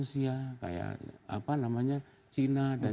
seperti negara yang menggunakan cara sendiri